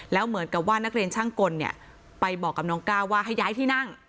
แล้วเหมือนกับว่านักเรียนช่างกลเนี่ยไปบอกกับน้องก้าวว่าให้ย้ายที่นั่ง